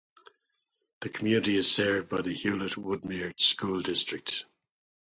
The community is served by the Hewlett-Woodmere School District.